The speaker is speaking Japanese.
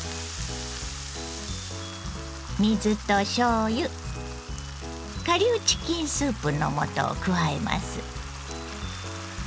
水としょうゆ顆粒チキンスープの素を加えます。